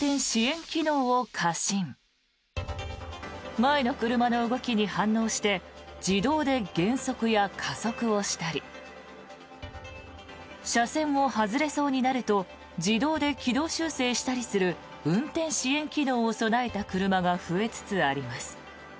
前の車の動きに反応して自動で減速や加速をしたり車線を外れそうになると自動で軌道修正したりする運転支援機能を備えた車が増えつつあります。